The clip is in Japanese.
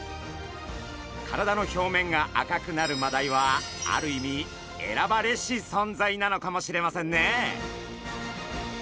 体の表面が赤くなるマダイはある意味選ばれし存在なのかもしれませんね。